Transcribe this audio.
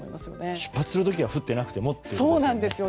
出発する時は降ってなくてもということですね。